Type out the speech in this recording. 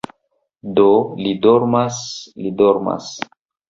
Do li dormas, li dormas